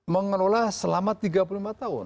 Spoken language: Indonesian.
mengelola selama tiga puluh lima tahun